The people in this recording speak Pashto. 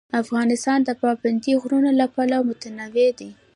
افغانستان د پابندی غرونه له پلوه متنوع دی.